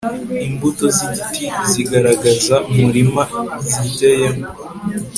imbuto z'igiti zigaragaza umurima giteyemo